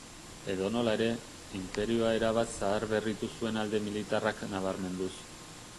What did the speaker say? Edonola ere, inperioa erabat zaharberritu zuen alde militarrak nabarmenduz.